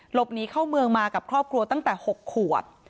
หลบหนีเข้าเมืองมากับครอบครัวตั้งแต่๖ขวบ